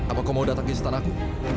apa kau mau datang ke istanaku